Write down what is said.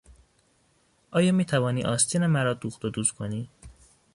آیا میتوانی آستین مرا دوخت و دوز کنی؟